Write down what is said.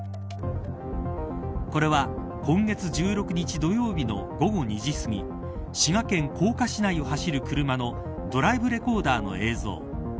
これは、今月１６日土曜日の午後２時すぎ滋賀県甲賀市内を走る車のドライブレコーダーの映像。